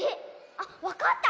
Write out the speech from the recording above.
あっわかった！